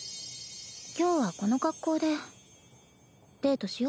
今日はこの格好でデートしよ。